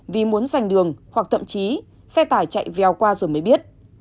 vì muốn dành đường hoặc thậm chí xe tải chạy veo qua rồi mới biết